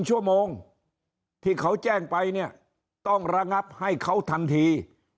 ชั่วโมงที่เขาแจ้งไปเนี่ยต้องระงับให้เขาทันที